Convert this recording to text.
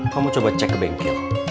kamu coba cek ke bengkel